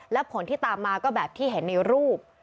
และผลที่ตามมาก็แบบที่เห็นในรูป